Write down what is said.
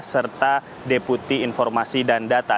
serta deputi informasi dan data